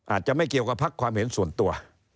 อาจจะไม่เกี่ยวกับพักความเห็นส่วนตัว